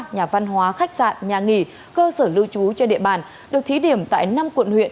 nhà văn hóa khách sạn nhà nghỉ cơ sở lưu trú trên địa bàn được thí điểm tại năm quận huyện